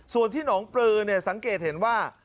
ส่วนที่หนองปลือสังเกตเห็นว่า